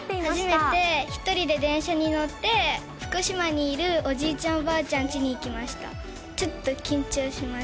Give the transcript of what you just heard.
初めて１人で電車に乗って、福島にいるおじいちゃん、おばあちゃんちに行きました。